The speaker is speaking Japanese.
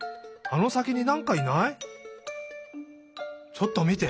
ちょっとみて。